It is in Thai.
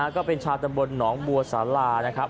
ก็เป็นชาวตำบลหนองบัวสารานะครับ